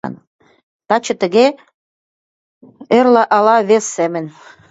Таче тыге, эрла ала вес семын.